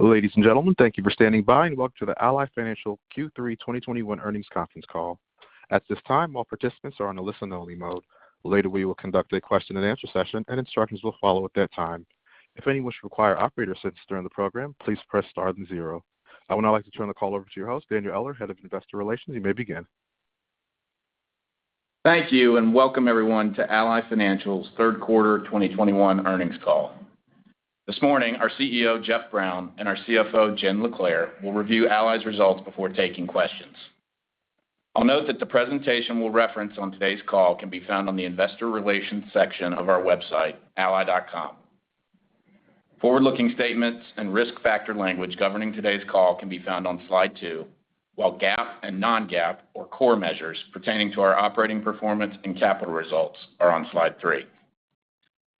Ladies and gentlemen, thank you for standing by and welcome to the Ally Financial Q3 2021 earnings conference call. At this time all participants are in listen only mode. Later we will conduct a Q&A session and answers will follow-up that time. If anyone requires operator's assistance during the conference please press star zero. I would now like to turn the call over to your host, Daniel Eller, Head of Investor Relations. You may begin. Welcome everyone to Ally Financial's third quarter 2021 earnings call. This morning, our CEO, Jeff Brown, and our CFO, Jenn LaClair, will review Ally's results before taking questions. I'll note that the presentation we'll reference on today's call can be found on the investor relations section of our website, ally.com. Forward-looking statements and risk factor language governing today's call can be found on slide two, while GAAP and non-GAAP or core measures pertaining to our operating performance and capital results are on slide three.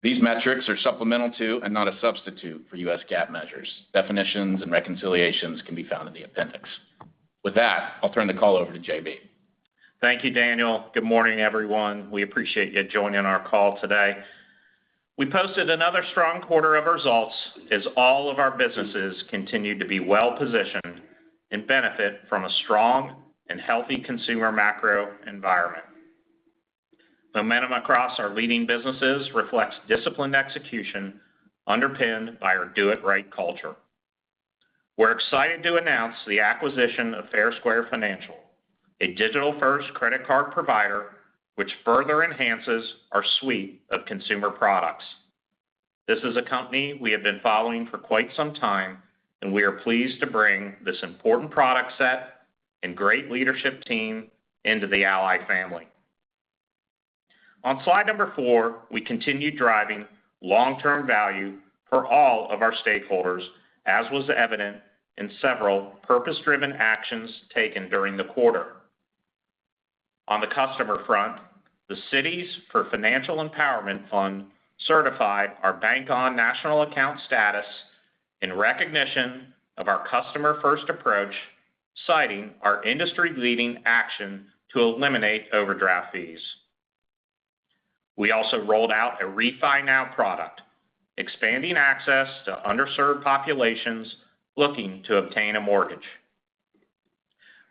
These metrics are supplemental to and not a substitute for US GAAP measures. Definitions and reconciliations can be found in the appendix. With that, I'll turn the call over to JB Thank you, Daniel. Good morning, everyone. We appreciate you joining our call today. We posted another strong quarter of results as all of our businesses continued to be well-positioned and benefit from a strong and healthy consumer macro environment. Momentum across our leading businesses reflects disciplined execution underpinned by our Do It Right culture. We're excited to announce the acquisition of Fair Square Financial, a digital-first credit card provider which further enhances our suite of consumer products. This is a company we have been following for quite some time, and we are pleased to bring this important product set and great leadership team into the Ally family. On slide number four, we continued driving long-term value for all of our stakeholders, as was evident in several purpose-driven actions taken during the quarter. On the customer front, the Cities for Financial Empowerment Fund certified our Bank On National Account status in recognition of our customer-first approach, citing our industry-leading action to eliminate overdraft fees. We also rolled out a RefiNow product, expanding access to underserved populations looking to obtain a mortgage.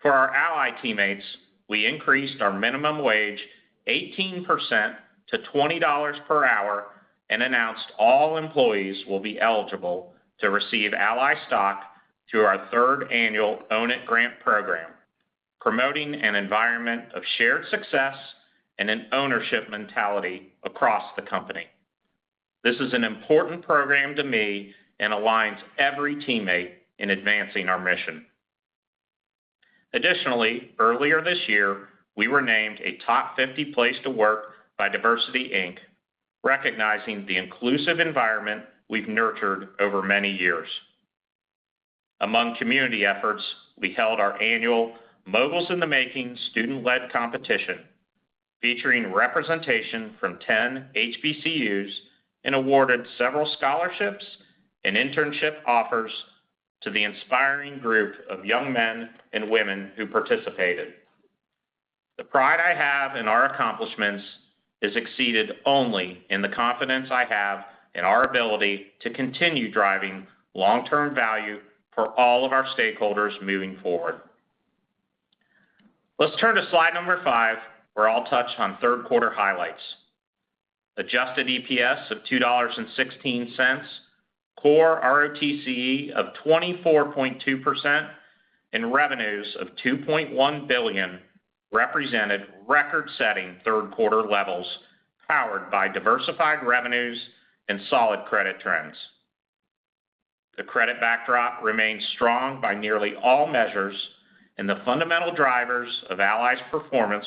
For our Ally teammates, we increased our minimum wage 18% to $20 per hour and announced all employees will be eligible to receive Ally stock through our third annual Own It Grant program, promoting an environment of shared success and an ownership mentality across the company. This is an important program to me and aligns every teammate in advancing our mission. Additionally, earlier this year, we were named a Top 50 Place to Work by DiversityInc, recognizing the inclusive environment we've nurtured over many years. Among community efforts, we held our annual Moguls in the Making student-led competition, featuring representation from 10 HBCUs and awarded several scholarships and internship offers to the inspiring group of young men and women who participated. The pride I have in our accomplishments is exceeded only in the confidence I have in our ability to continue driving long-term value for all of our stakeholders moving forward. Let's turn to slide number 5, where I'll touch on third quarter highlights. Adjusted EPS of $2.16, core ROTCE of 24.2%, and revenues of $2.1 billion represented record-setting third quarter levels powered by diversified revenues and solid credit trends. The credit backdrop remains strong by nearly all measures, and the fundamental drivers of Ally's performance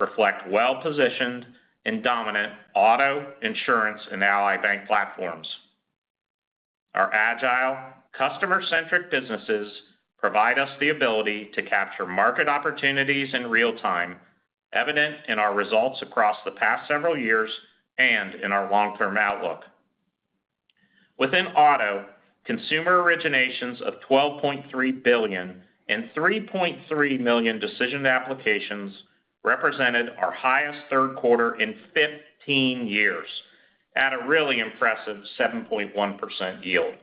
reflect well-positioned and dominant auto insurance and Ally Bank platforms. Our agile, customer-centric businesses provide us the ability to capture market opportunities in real time, evident in our results across the past several years and in our long-term outlook. Within auto, consumer originations of $12.3 billion and 3.3 million decision applications represented our highest third quarter in 15 years at a really impressive 7.1% yield.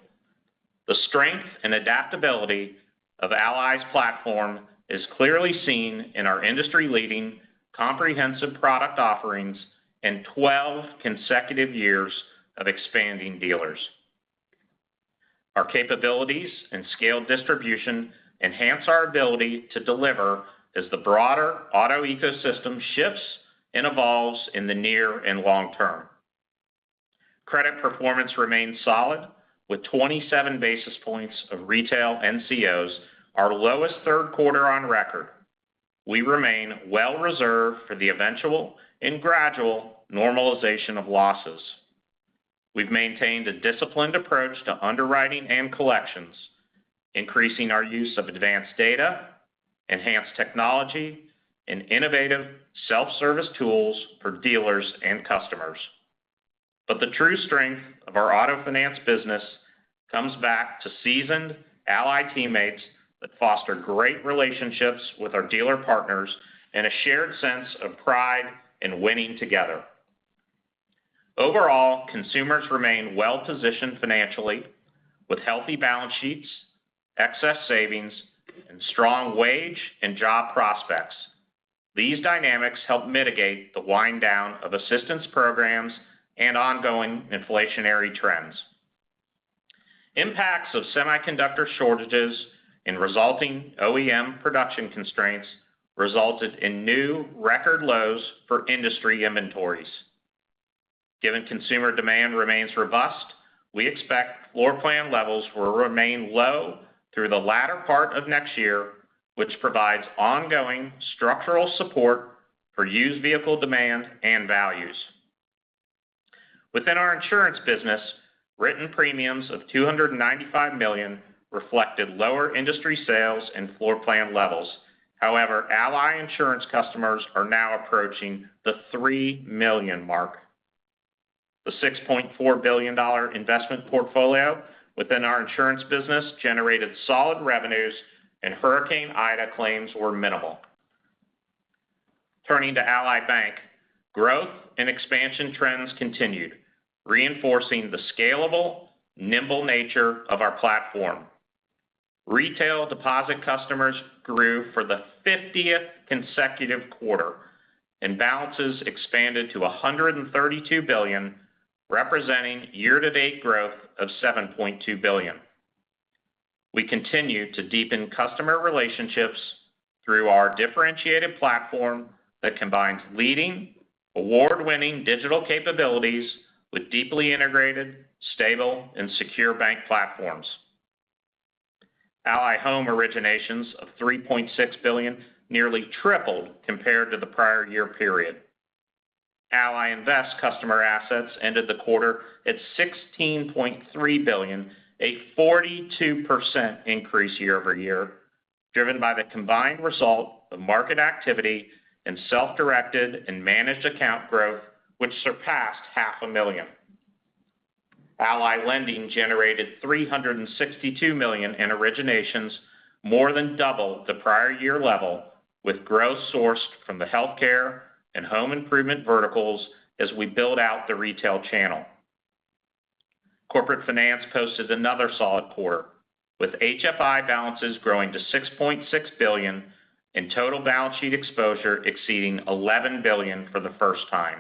The strength and adaptability of Ally's platform is clearly seen in our industry-leading comprehensive product offerings and 12 consecutive years of expanding dealers. Our capabilities and scaled distribution enhance our ability to deliver as the broader auto ecosystem shifts and evolves in the near and long term. Credit performance remains solid with 27 basis points of retail NCOs, our lowest third quarter on record. We remain well reserved for the eventual and gradual normalization of losses. We've maintained a disciplined approach to underwriting and collections, increasing our use of advanced data, enhanced technology, and innovative self-service tools for dealers and customers. The true strength of our auto finance business comes back to seasoned Ally teammates that foster great relationships with our dealer partners and a shared sense of pride in winning together. Overall, consumers remain well-positioned financially, with healthy balance sheets, excess savings, and strong wage and job prospects. These dynamics help mitigate the wind-down of assistance programs and ongoing inflationary trends. Impacts of semiconductor shortages and resulting OEM production constraints resulted in new record lows for industry inventories. Given consumer demand remains robust, we expect floor plan levels will remain low through the latter part of next year, which provides ongoing structural support for used vehicle demand and values. Within our Ally Insurance business, written premiums of $295 million reflected lower industry sales and floor plan levels. Ally Insurance customers are now approaching the 3 million mark. The $6.4 billion investment portfolio within our Ally Insurance business generated solid revenues, and Hurricane Ida claims were minimal. Turning to Ally Bank, growth and expansion trends continued, reinforcing the scalable, nimble nature of our platform. Retail deposit customers grew for the 50th consecutive quarter, and balances expanded to $132 billion, representing year-to-date growth of $7.2 billion. We continue to deepen customer relationships through our differentiated platform that combines leading, award-winning digital capabilities with deeply integrated, stable, and secure bank platforms. Ally Home originations of $3.6 billion nearly tripled compared to the prior year period. Ally Invest customer assets ended the quarter at $16.3 billion, a 42% increase year-over-year, driven by the combined result of market activity and self-directed and managed account growth, which surpassed half a million. Ally Lending generated $362 million in originations, more than double the prior year level, with growth sourced from the healthcare and home improvement verticals as we build out the retail channel. Corporate Finance posted another solid quarter, with HFI balances growing to $6.6 billion and total balance sheet exposure exceeding $11 billion for the first time.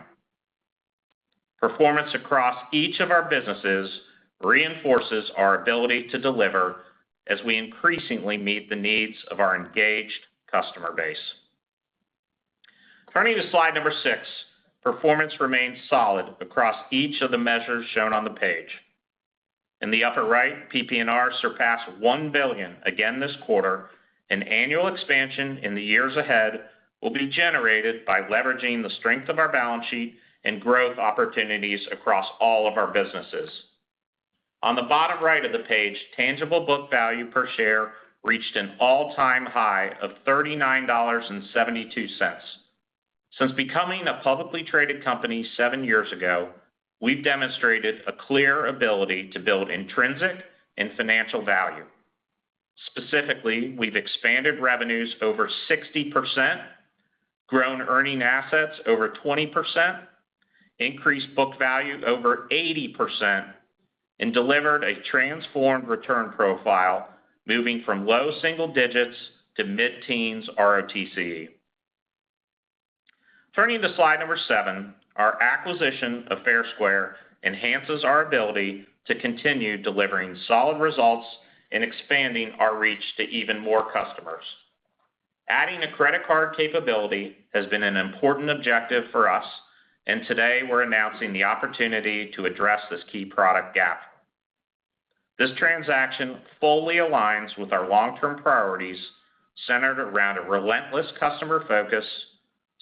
Performance across each of our businesses reinforces our ability to deliver as we increasingly meet the needs of our engaged customer base. Turning to slide number 6, performance remains solid across each of the measures shown on the page. In the upper right, PPNR surpassed $1 billion again this quarter. An annual expansion in the years ahead will be generated by leveraging the strength of our balance sheet and growth opportunities across all of our businesses. On the bottom right of the page, tangible book value per share reached an all-time high of $39.72. Since becoming a publicly traded company seven years ago, we've demonstrated a clear ability to build intrinsic and financial value. Specifically, we've expanded revenues over 60%, grown earning assets over 20%, increased book value over 80%, and delivered a transformed return profile, moving from low single digits to mid-teens ROTCE. Turning to slide number 7, our acquisition of Fair Square enhances our ability to continue delivering solid results and expanding our reach to even more customers. Adding a credit card capability has been an important objective for us, and today we're announcing the opportunity to address this key product gap. This transaction fully aligns with our long-term priorities centered around a relentless customer focus,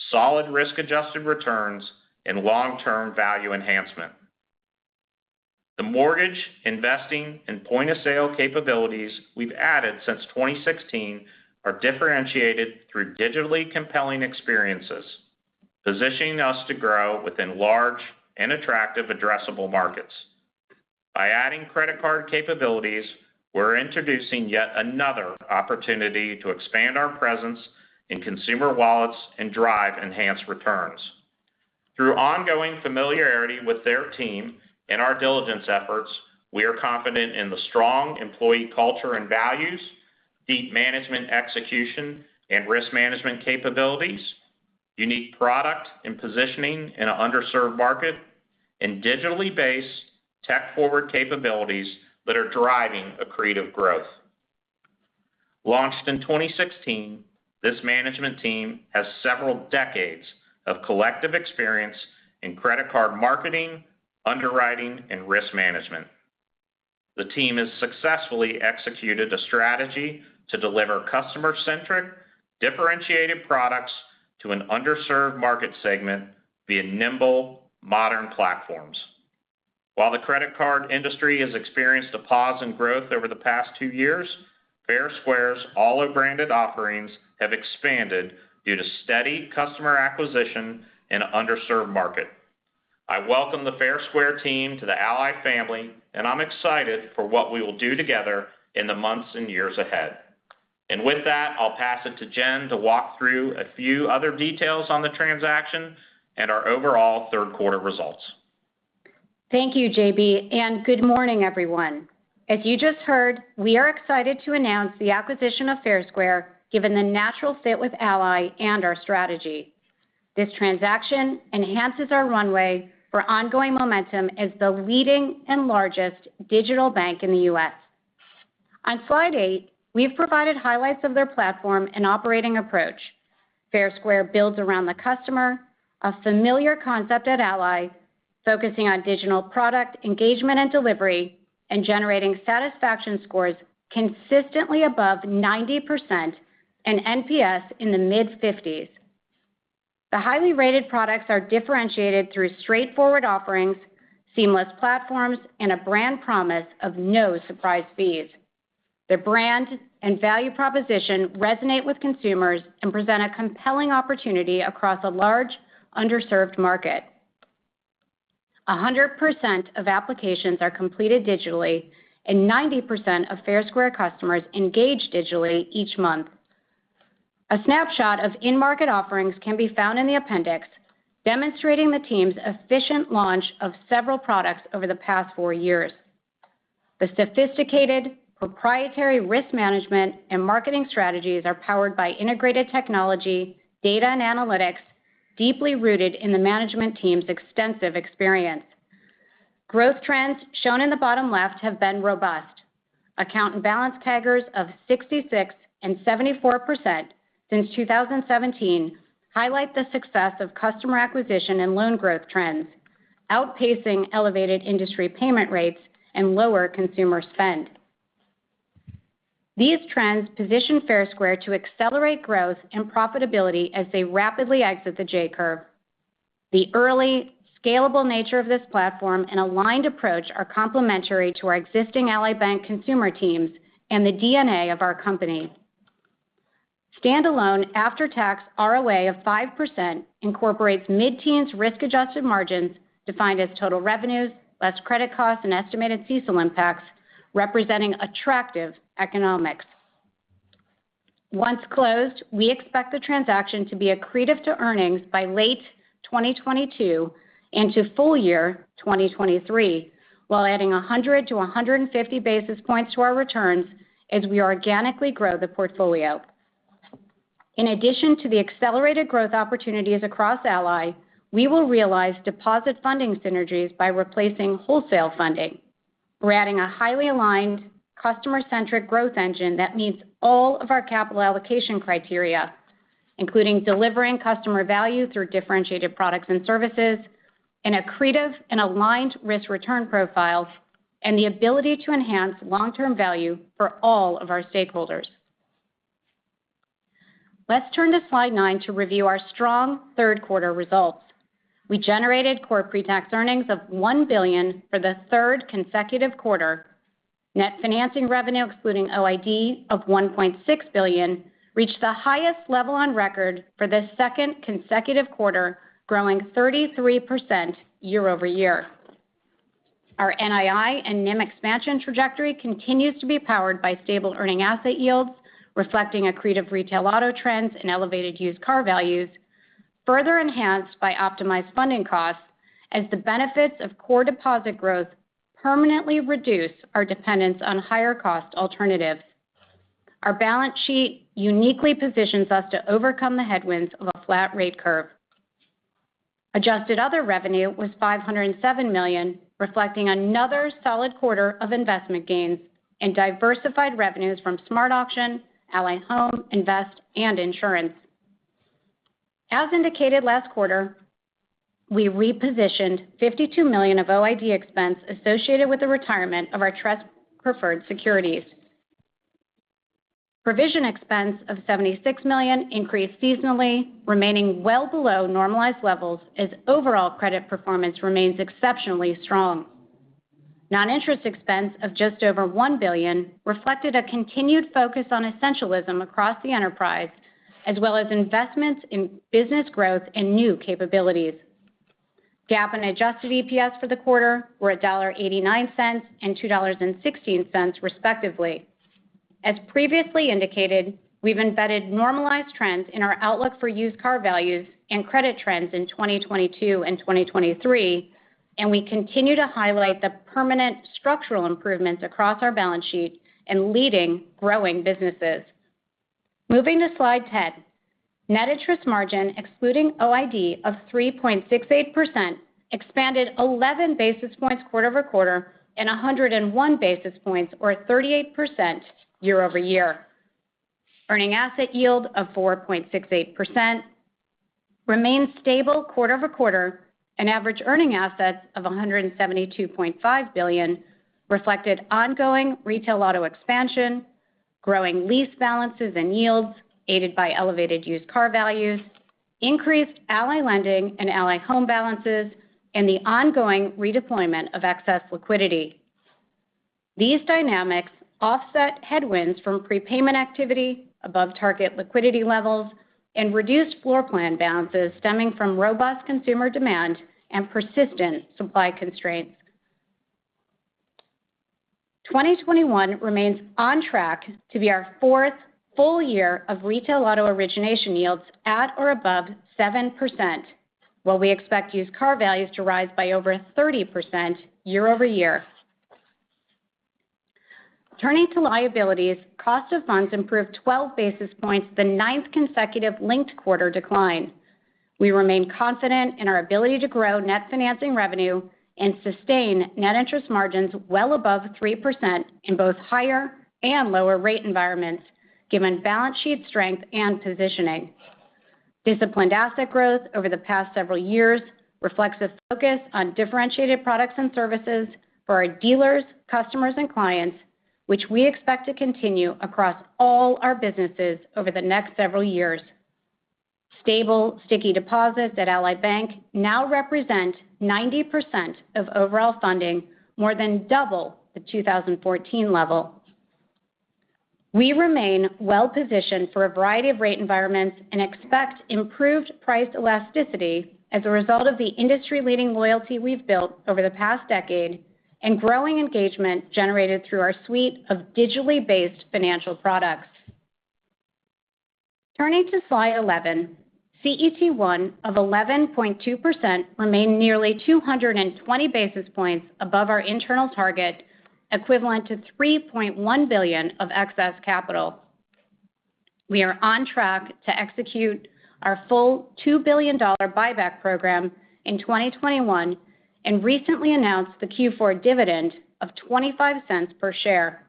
solid risk-adjusted returns, and long-term value enhancement. The mortgage, investing, and point-of-sale capabilities we've added since 2016 are differentiated through digitally compelling experiences, positioning us to grow within large and attractive addressable markets. By adding credit card capabilities, we're introducing yet another opportunity to expand our presence in consumer wallets and drive enhanced returns. Through ongoing familiarity with their team and our diligence efforts, we are confident in the strong employee culture and values, deep management execution and risk management capabilities, unique product and positioning in an underserved market, and digitally based, tech-forward capabilities that are driving accretive growth. Launched in 2016, this management team has several decades of collective experience in credit card marketing, underwriting, and risk management. The team has successfully executed a strategy to deliver customer-centric, differentiated products to an underserved market segment via nimble, modern platforms. While the credit card industry has experienced a pause in growth over the past two years, Fair Square's Ollo-branded offerings have expanded due to steady customer acquisition in an underserved market. I welcome the Fair Square team to the Ally family, and I'm excited for what we will do together in the months and years ahead. With that, I'll pass it to Jenn to walk through a few other details on the transaction and our overall third quarter results. Thank you, JB, and good morning, everyone. As you just heard, we are excited to announce the acquisition of Fair Square, given the natural fit with Ally and our strategy. This transaction enhances our runway for ongoing momentum as the leading and largest digital bank in the U.S. On slide eight, we've provided highlights of their platform and operating approach. Fair Square builds around the customer, a familiar concept at Ally, focusing on digital product engagement and delivery and generating satisfaction scores consistently above 90% and NPS in the mid-50s. The highly rated products are differentiated through straightforward offerings, seamless platforms, and a brand promise of no surprise fees. Their brand and value proposition resonate with consumers and present a compelling opportunity across a large underserved market. 100% of applications are completed digitally, and 90% of Fair Square customers engage digitally each month. A snapshot of in-market offerings can be found in the appendix, demonstrating the team's efficient launch of several products over the past four years. The sophisticated proprietary risk management and marketing strategies are powered by integrated technology, data, and analytics deeply rooted in the management team's extensive experience. Growth trends shown in the bottom left have been robust. Account and balance CAGRs of 66% and 74% since 2017 highlight the success of customer acquisition and loan growth trends, outpacing elevated industry payment rates and lower consumer spend. These trends position Fair Square to accelerate growth and profitability as they rapidly exit the J-curve. The early scalable nature of this platform and aligned approach are complementary to our existing Ally Bank consumer teams and the DNA of our company. Standalone after-tax ROA of 5% incorporates mid-teens risk-adjusted margins defined as total revenues, less credit costs, and estimated CECL impacts, representing attractive economics. Once closed, we expect the transaction to be accretive to earnings by late 2022 into full year 2023, while adding 100-150 basis points to our returns as we organically grow the portfolio. In addition to the accelerated growth opportunities across Ally, we will realize deposit funding synergies by replacing wholesale funding. We're adding a highly aligned customer-centric growth engine that meets all of our capital allocation criteria, including delivering customer value through differentiated products and services, and accretive and aligned risk-return profiles, and the ability to enhance long-term value for all of our stakeholders. Let's turn to slide 9 to review our strong third quarter results. We generated core pre-tax earnings of $1 billion for the third consecutive quarter. Net financing revenue excluding OID of $1.6 billion, reached the highest level on record for the second consecutive quarter, growing 33% year-over-year. Our NII and NIM expansion trajectory continues to be powered by stable earning asset yields, reflecting accretive retail auto trends and elevated used car values, further enhanced by optimized funding costs as the benefits of core deposit growth permanently reduce our dependence on higher-cost alternatives. Our balance sheet uniquely positions us to overcome the headwinds of a flat rate curve. Adjusted other revenue was $507 million, reflecting another solid quarter of investment gains and diversified revenues from SmartAuction, Ally Home, Invest, and Insurance. As indicated last quarter, we repositioned $52 million of OID expense associated with the retirement of our trust preferred securities. Provision expense of $76 million increased seasonally, remaining well below normalized levels as overall credit performance remains exceptionally strong. Non-interest expense of just over $1 billion reflected a continued focus on essentialism across the enterprise, as well as investments in business growth and new capabilities. GAAP and adjusted EPS for the quarter were $1.89 and $2.16 respectively. As previously indicated, we've embedded normalized trends in our outlook for used car values and credit trends in 2022 and 2023, and we continue to highlight the permanent structural improvements across our balance sheet and leading growing businesses. Moving to slide 10. Net interest margin excluding OID of 3.68% expanded 11 basis points quarter-over-quarter and 101 basis points or 38% year-over-year. Earning asset yield of 4.68% remains stable quarter-over-quarter and average earning assets of $172.5 billion reflected ongoing retail auto expansion, growing lease balances and yields aided by elevated used car values, increased Ally Lending and Ally Home balances, and the ongoing redeployment of excess liquidity. These dynamics offset headwinds from prepayment activity, above-target liquidity levels, and reduced floorplan balances stemming from robust consumer demand and persistent supply constraints. 2021 remains on track to be our fourth full year of retail auto origination yields at or above 7%, while we expect used car values to rise by over 30% year-over-year. Turning to liabilities, cost of funds improved 12 basis points, the ninth consecutive linked quarter decline. We remain confident in our ability to grow net financing revenue and sustain net interest margins well above 3% in both higher and lower rate environments, given balance sheet strength and positioning. Disciplined asset growth over the past several years reflects this focus on differentiated products and services for our dealers, customers, and clients, which we expect to continue across all our businesses over the next several years. Stable, sticky deposits at Ally Bank now represent 90% of overall funding, more than double the 2014 level. We remain well-positioned for a variety of rate environments and expect improved price elasticity as a result of the industry-leading loyalty we've built over the past decade and growing engagement generated through our suite of digitally based financial products. Turning to slide 11, CET1 of 11.2% remained nearly 220 basis points above our internal target, equivalent to $3.1 billion of excess capital. We are on track to execute our full $2 billion buyback program in 2021 and recently announced the Q4 dividend of $0.25 per share.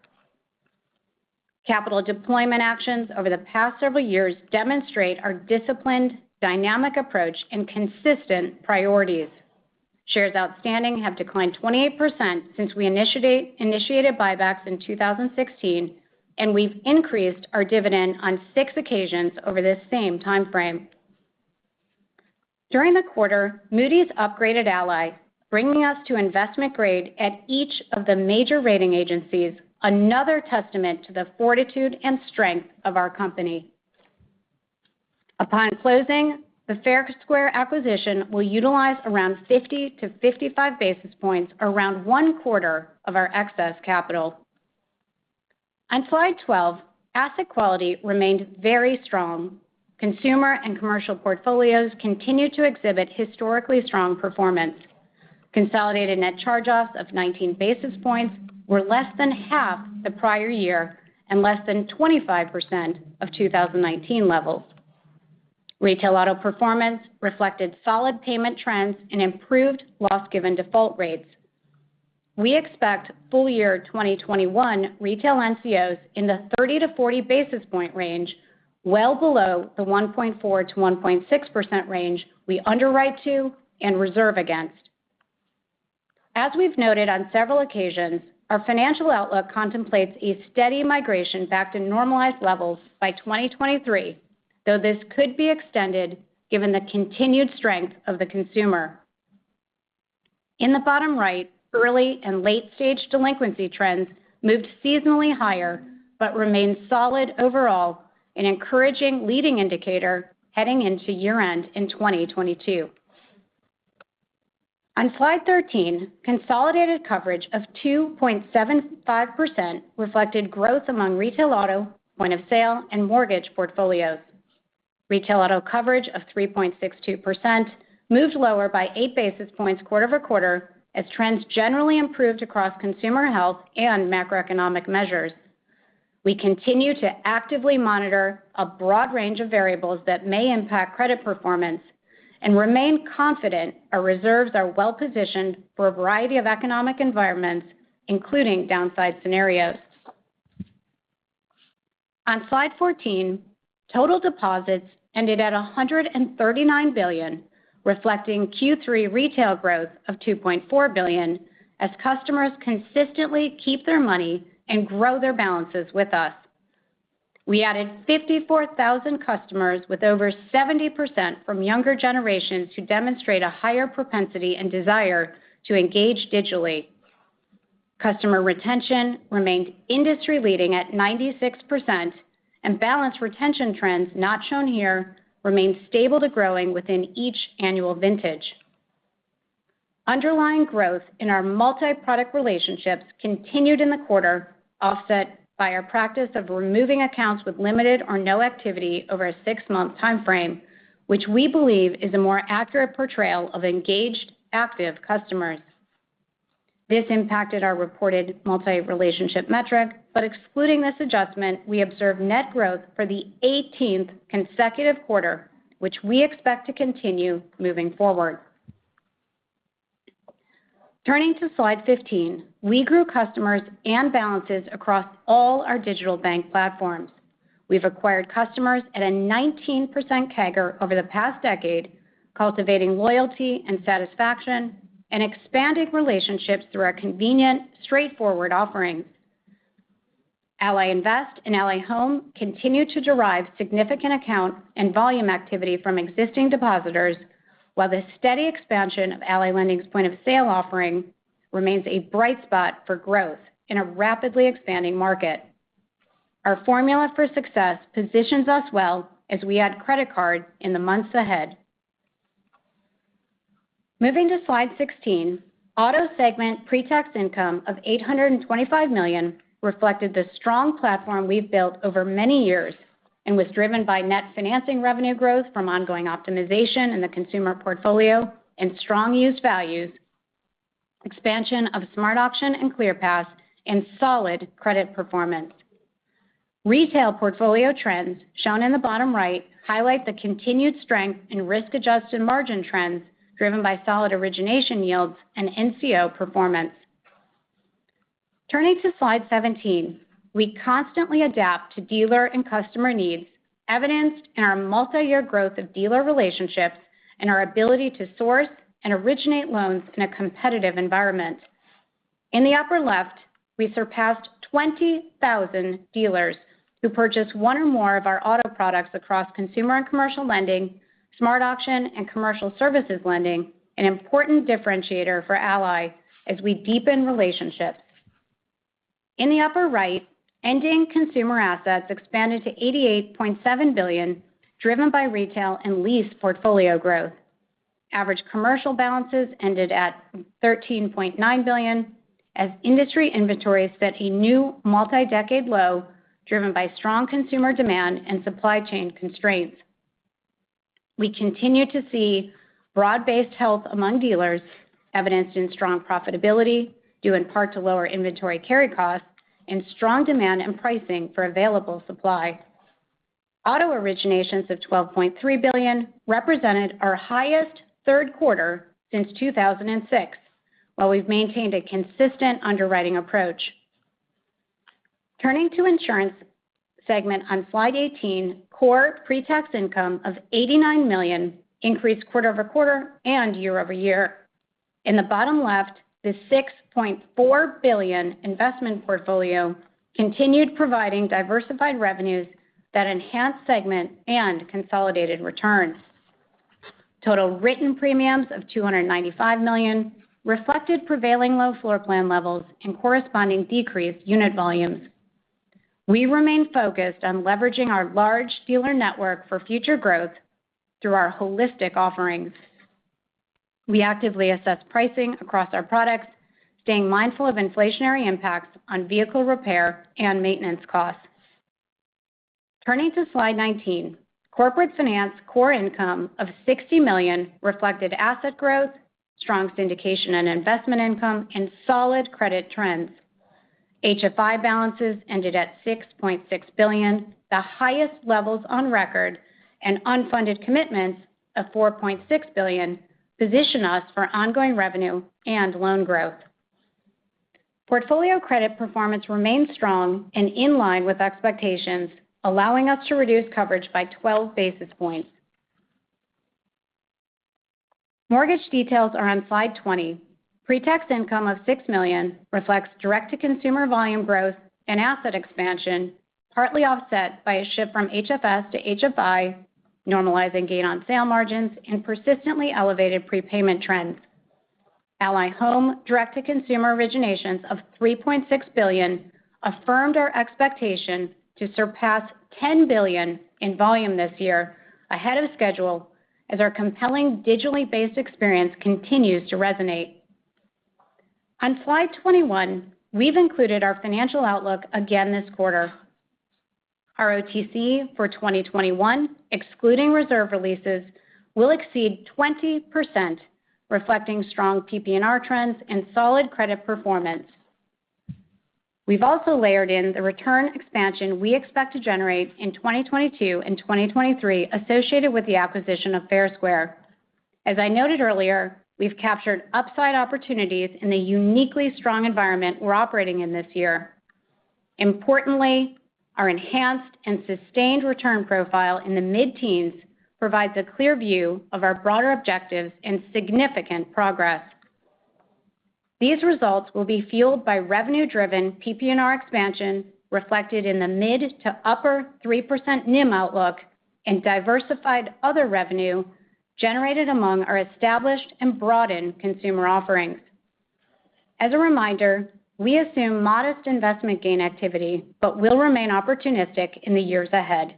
Capital deployment actions over the past several years demonstrate our disciplined, dynamic approach and consistent priorities. Shares outstanding have declined 28% since we initiated buybacks in 2016, and we've increased our dividend on six occasions over this same timeframe. During the quarter, Moody's upgraded Ally, bringing us to investment grade at each of the major rating agencies, another testament to the fortitude and strength of our company. Upon closing, the Fair Square acquisition will utilize around 50-55 basis points, around one-quarter of our excess capital. On slide 12, asset quality remained very strong. Consumer and commercial portfolios continue to exhibit historically strong performance. Consolidated net charge-offs of 19 basis points were less than half the prior year and less than 25% of 2019 levels. Retail auto performance reflected solid payment trends and improved loss-given default rates. We expect full-year 2021 retail NCOs in the 30 basis points-40 basis points range, well below the 1.4%-1.6% range we underwrite to and reserve against. As we've noted on several occasions, our financial outlook contemplates a steady migration back to normalized levels by 2023, though this could be extended given the continued strength of the consumer. In the bottom right, early and late-stage delinquency trends moved seasonally higher but remained solid overall, an encouraging leading indicator heading into year-end in 2022. On slide 13, consolidated coverage of 2.75% reflected growth among retail auto, point of sale, and mortgage portfolios. Retail auto coverage of 3.62% moved lower by 8 basis points quarter-over-quarter as trends generally improved across consumer health and macroeconomic measures. We continue to actively monitor a broad range of variables that may impact credit performance and remain confident our reserves are well-positioned for a variety of economic environments, including downside scenarios. On slide 14, total deposits ended at $139 billion, reflecting Q3 retail growth of $2.4 billion as customers consistently keep their money and grow their balances with us. We added 54,000 customers with over 70% from younger generations who demonstrate a higher propensity and desire to engage digitally. Customer retention remained industry-leading at 96%, and balance retention trends not shown here remain stable to growing within each annual vintage. Underlying growth in our multi-product relationships continued in the quarter, offset by our practice of removing accounts with limited or no activity over a six-month timeframe, which we believe is a more accurate portrayal of engaged, active customers. This impacted our reported multi-relationship metric, but excluding this adjustment, we observed net growth for the 18th consecutive quarter, which we expect to continue moving forward. Turning to slide 15, we grew customers and balances across all our digital bank platforms. We've acquired customers at a 19% CAGR over the past decade, cultivating loyalty and satisfaction and expanding relationships through our convenient, straightforward offerings. Ally Invest and Ally Home continue to derive significant account and volume activity from existing depositors, while the steady expansion of Ally Lending's point-of-sale offering remains a bright spot for growth in a rapidly expanding market. Our formula for success positions us well as we add credit cards in the months ahead. Moving to slide 16, Auto segment pre-tax income of $825 million reflected the strong platform we've built over many years and was driven by net financing revenue growth from ongoing optimization in the consumer portfolio and strong used values, expansion of SmartAuction and Clearpass, and solid credit performance. Retail portfolio trends, shown in the bottom right, highlight the continued strength in risk-adjusted margin trends driven by solid origination yields and NCO performance. Turning to slide 17, we constantly adapt to dealer and customer needs, evidenced in our multi-year growth of dealer relationships and our ability to source and originate loans in a competitive environment. In the upper left, we surpassed 20,000 dealers who purchased one or more of our auto products across consumer and commercial lending, SmartAuction, and commercial services lending, an important differentiator for Ally as we deepen relationships. In the upper right, ending consumer assets expanded to $88.7 billion, driven by retail and lease portfolio growth. Average commercial balances ended at $13.9 billion as industry inventories set a new multi-decade low, driven by strong consumer demand and supply chain constraints. We continue to see broad-based health among dealers, evidenced in strong profitability, due in part to lower inventory carry costs, and strong demand and pricing for available supply. Auto originations of $12.3 billion represented our highest third quarter since 2006, while we've maintained a consistent underwriting approach. Turning to Insurance segment on Slide 18, core pre-tax income of $89 million increased quarter-over-quarter and year-over-year. In the bottom left, the $6.4 billion investment portfolio continued providing diversified revenues that enhanced segment and consolidated returns. Total written premiums of $295 million reflected prevailing low floor plan levels and corresponding decreased unit volumes. We remain focused on leveraging our large dealer network for future growth through our holistic offerings. We actively assess pricing across our products, staying mindful of inflationary impacts on vehicle repair and maintenance costs. Turning to Slide 19, Corporate Finance core income of $60 million reflected asset growth, strong syndication and investment income, and solid credit trends. HFI balances ended at $6.6 billion, the highest levels on record, and unfunded commitments of $4.6 billion position us for ongoing revenue and loan growth. Portfolio credit performance remained strong and in line with expectations, allowing us to reduce coverage by 12 basis points. Mortgage details are on Slide 20. Pre-tax income of $6 million reflects direct-to-consumer volume growth and asset expansion, partly offset by a shift from HFS to HFI, normalizing gain on sale margins, and persistently elevated prepayment trends. Ally Home direct-to-consumer originations of $3.6 billion affirmed our expectation to surpass $10 billion in volume this year, ahead of schedule, as our compelling digitally-based experience continues to resonate. On Slide 21, we've included our financial outlook again this quarter. ROTCE for 2021, excluding reserve releases, will exceed 20%, reflecting strong PPNR trends and solid credit performance. We've also layered in the return expansion we expect to generate in 2022 and 2023 associated with the acquisition of Fair Square. As I noted earlier, we've captured upside opportunities in the uniquely strong environment we're operating in this year. Importantly, our enhanced and sustained return profile in the mid-teens provides a clear view of our broader objectives and significant progress. These results will be fueled by revenue-driven PPNR expansion reflected in the mid to upper 3% NIM outlook and diversified other revenue generated among our established and broadened consumer offerings. As a reminder, we assume modest investment gain activity but will remain opportunistic in the years ahead.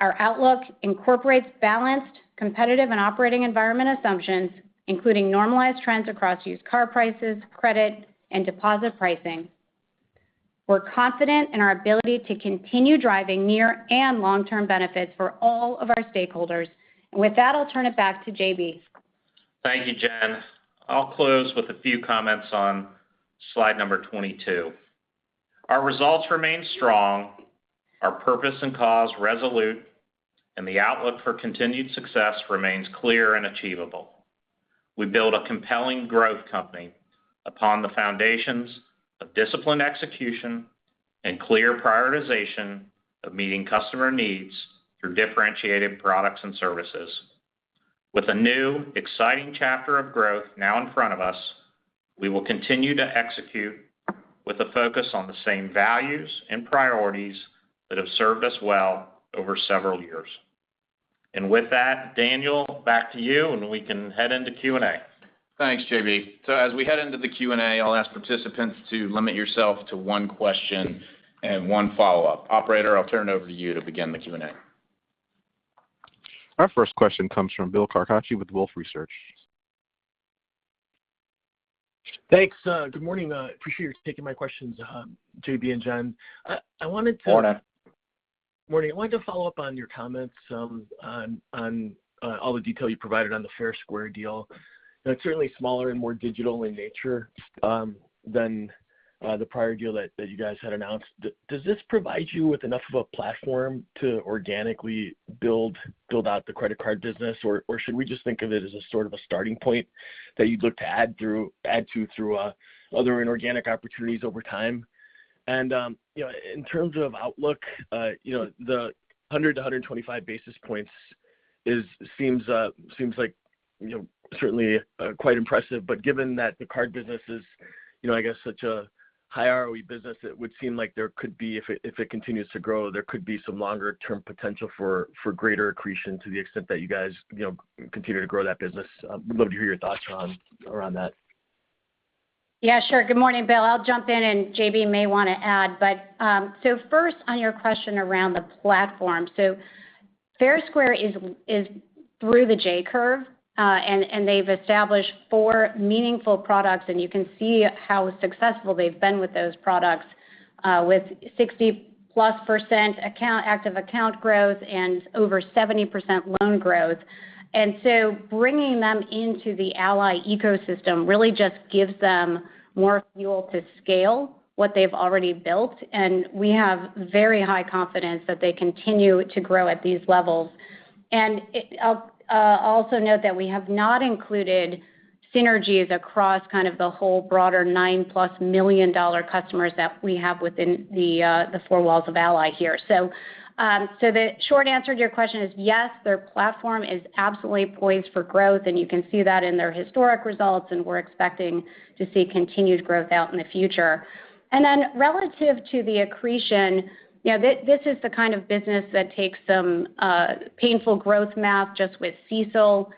Our outlook incorporates balanced, competitive, and operating environment assumptions, including normalized trends across used car prices, credit, and deposit pricing. We're confident in our ability to continue driving near and long-term benefits for all of our stakeholders. With that, I'll turn it back to JB. Thank you, Jenn. I'll close with a few comments on slide number 22. Our results remain strong, our purpose and cause resolute, and the outlook for continued success remains clear and achievable. We build a compelling growth company upon the foundations of disciplined execution and clear prioritization of meeting customer needs through differentiated products and services. With a new, exciting chapter of growth now in front of us, we will continue to execute with a focus on the same values and priorities that have served us well over several years. With that, Daniel, back to you, and we can head into Q&A. Thanks, JB. As we head into the Q&A, I'll ask participants to limit yourself to one question and one follow-up. Operator, I'll turn it over to you to begin the Q&A. Our first question comes from Bill Carcache with Wolfe Research. Thanks. Good morning. Appreciate you taking my questions, JB and Jenn. Morning. Morning. I wanted to follow up on your comments on all the detail you provided on the Fair Square deal. It's certainly smaller and more digital in nature than the prior deal that you guys had announced. Does this provide you with enough of a platform to organically build out the credit card business? Should we just think of it as a sort of a starting point that you'd look to add to through other inorganic opportunities over time? In terms of outlook, the 100-125 basis points seems certainly quite impressive, but given that the card business is such a high ROE business, it would seem like there could be, if it continues to grow, there could be some longer-term potential for greater accretion to the extent that you guys continue to grow that business. I'd love to hear your thoughts around that. Yeah, sure. Good morning, Bill. I'll jump in and JB may want to add. First on your question around the platform. Fair Square is through the J-curve. They've established four meaningful products and you can see how successful they've been with those products, with 60+% active account growth and over 70% loan growth. Bringing them into the Ally ecosystem really just gives them more fuel to scale what they've already built. We have very high confidence that they continue to grow at these levels. I'll also note that we have not included synergies across kind of the whole broader 9+ million dollar customers that we have within the four walls of Ally here. The short answer to your question is, yes, their platform is absolutely poised for growth, and you can see that in their historic results. We're expecting to see continued growth out in the future. Relative to the accretion, this is the kind of business that takes some painful growth math just with CECL.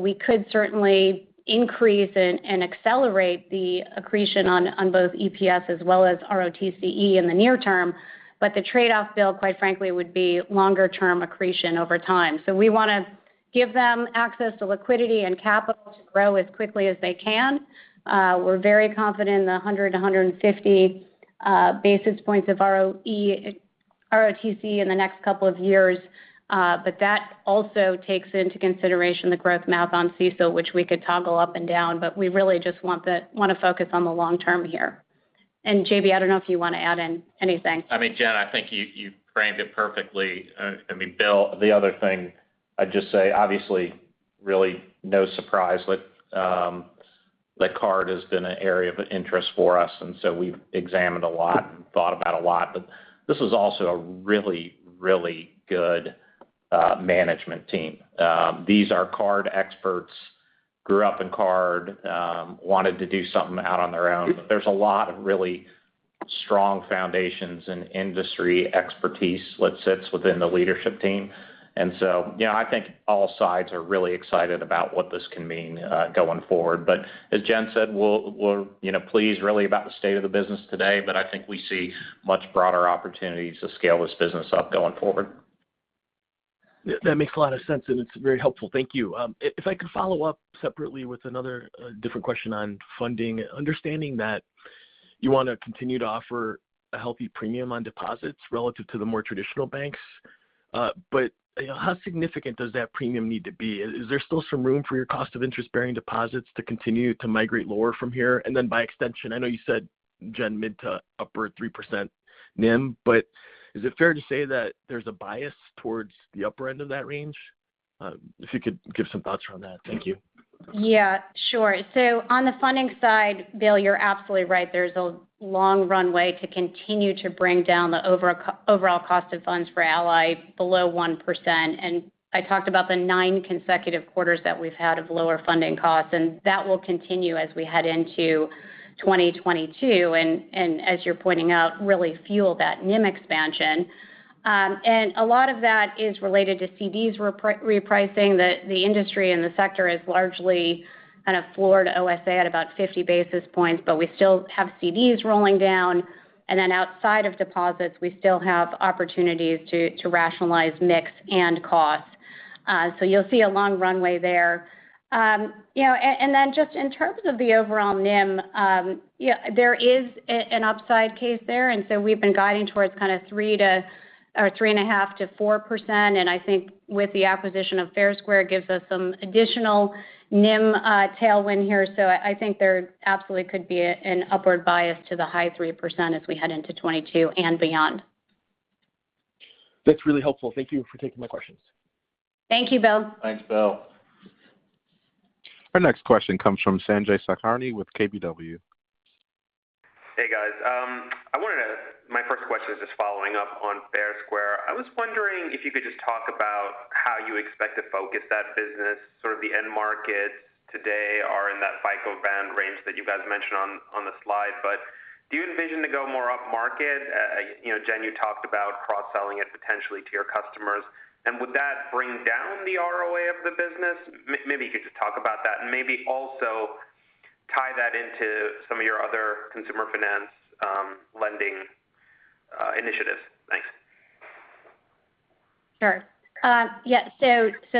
We could certainly increase and accelerate the accretion on both EPS as well as ROTCE in the near term. The trade-off, Bill, quite frankly, would be longer-term accretion over time. We want to give them access to liquidity and capital to grow as quickly as they can. We're very confident in the 100-150 basis points of ROTCE in the next couple of years. That also takes into consideration the growth math on CECL, which we could toggle up and down, but we really just want to focus on the long term here. JB, I don't know if you want to add in anything. Jen, I think you framed it perfectly. Bill, the other thing I'd just say, obviously, really no surprise, but the card has been an area of interest for us, we've examined a lot and thought about a lot. This was also a really, really good management team. These are card experts, grew up in card, wanted to do something out on their own. There's a lot of really strong foundations and industry expertise that sits within the leadership team. I think all sides are really excited about what this can mean going forward. As Jenn said, we're pleased really about the state of the business today, but I think we see much broader opportunities to scale this business up going forward. That makes a lot of sense and it's very helpful. Thank you. If I could follow up separately with another different question on funding. Understanding that you want to continue to offer a healthy premium on deposits relative to the more traditional banks. How significant does that premium need to be? Is there still some room for your cost of interest-bearing deposits to continue to migrate lower from here? By extension, I know you said, Jen, mid-to-upper 3% NIM, is it fair to say that there's a bias towards the upper end of that range? If you could give some thoughts around that. Thank you. Yeah. Sure. On the funding side, Bill, you're absolutely right. There's a long runway to continue to bring down the overall cost of funds for Ally below 1%. I talked about the nine consecutive quarters that we've had of lower funding costs, and that will continue as we head into 2022. As you're pointing out, really fuel that NIM expansion. A lot of that is related to CDs repricing. The industry and the sector is largely kind of floored OSA at about 50 basis points, but we still have CDs rolling down. Outside of deposits, we still have opportunities to rationalize mix and cost. You'll see a long runway there. Just in terms of the overall NIM, there is an upside case there, and so we've been guiding towards kind of 3.5%-4%, and I think with the acquisition of Fair Square gives us some additional NIM tailwind here. I think there absolutely could be an upward bias to the high 3% as we head into 2022 and beyond. That's really helpful. Thank you for taking my questions. Thank you, Bill. Thanks, Bill. Our next question comes from Sanjay Sakhrani with KBW. Hey, guys. My first question is just following up on Fair Square. I was wondering if you could just talk about how you expect to focus that business. Sort of the end markets today are in that FICO band range that you guys mentioned on the slide. Do you envision to go more up market? Jenn, you talked about cross-selling it potentially to your customers, and would that bring down the ROA of the business? Maybe you could just talk about that, and maybe also tie that into some of your other consumer finance lending initiatives. Thanks. Sure.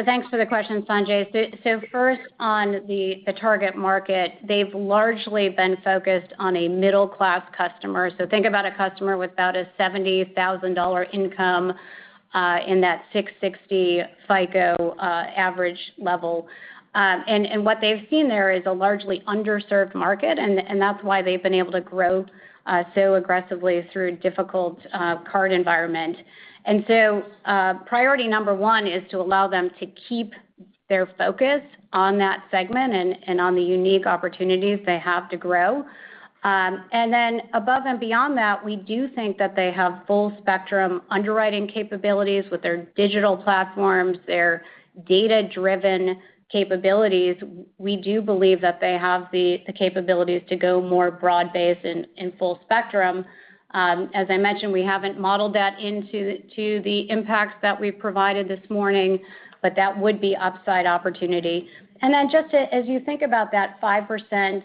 Thanks for the question, Sanjay. First on the target market, they've largely been focused on a middle-class customer. Think about a customer with about a $70,000 income, in that 660 FICO average level. What they've seen there is a largely underserved market, and that's why they've been able to grow so aggressively through a difficult card environment. Priority number 1 is to allow them to keep their focus on that segment and on the unique opportunities they have to grow. Above and beyond that, we do think that they have full-spectrum underwriting capabilities with their digital platforms, their data-driven capabilities. We do believe that they have the capabilities to go more broad-based and full spectrum. As I mentioned, we haven't modeled that into the impacts that we've provided this morning, but that would be upside opportunity. Just as you think about that 5%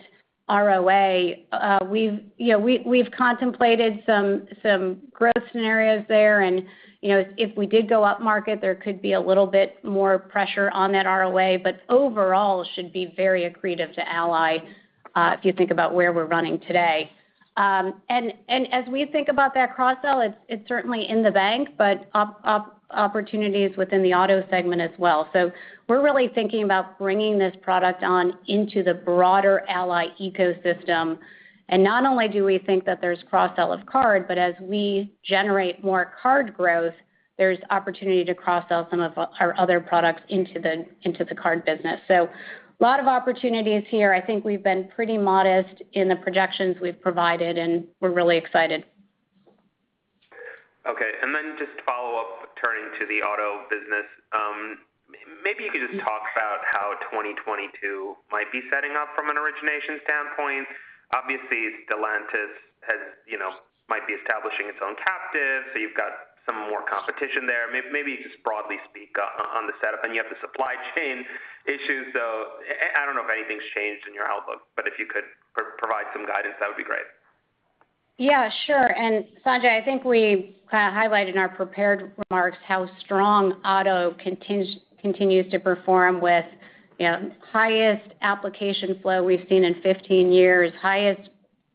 ROA, we've contemplated some growth scenarios there. If we did go up market, there could be a little bit more pressure on that ROA, but overall, it should be very accretive to Ally if you think about where we're running today. As we think about that cross-sell, it's certainly in the bank, but opportunities within the auto segment as well. We're really thinking about bringing this product on into the broader Ally ecosystem. Not only do we think that there's cross-sell of card, but as we generate more card growth, there's opportunity to cross-sell some of our other products into the card business. A lot of opportunities here. I think we've been pretty modest in the projections we've provided, and we're really excited. Okay. Then just to follow up, turning to the auto business. Maybe you could just talk about how 2022 might be setting up from an origination standpoint. Obviously, Stellantis might be establishing its own captive, so you've got some more competition there. Maybe you could just broadly speak on the setup. You have the supply chain issues, so I don't know if anything's changed in your outlook. If you could provide some guidance, that would be great. Yeah, sure. Sanjay, I think we kind of highlighted in our prepared remarks how strong auto continues to perform with highest application flow we've seen in 15 years, highest